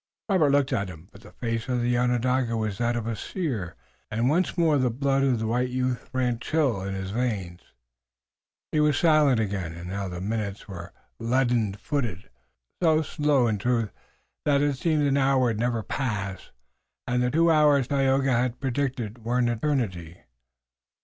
Robert looked at him, but the face of the Onondaga was that of a seer, and once more the blood of the white youth ran chill in his veins. He was silent again, and now the minutes were leaden footed, so slow, in truth, that it seemed an hour would never pass and the two hours Tayoga had predicted were an eternity.